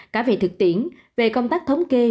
cả về thực tiễn về công tác thống kê